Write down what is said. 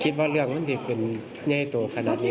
คิดว่าเรื่องมันจะเป็นง่ายโตขนาดนี้